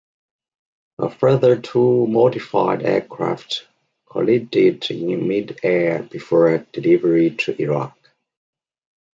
A further two modified aircraft collided in mid-air before delivery to Iraq.